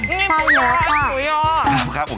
ใช่อะครับหมูยอ